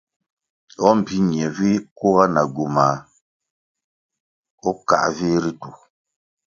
O mbpi ñie vi kuga na gywumā kāa vih ritu.